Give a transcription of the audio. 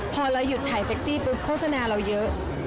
พอเราหยุดถ่ายเซ็กซี่ปุ๊บโฆษณาเราเยอะ